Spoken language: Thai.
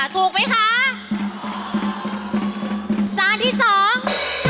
ถูกไหมคะจานที่สอง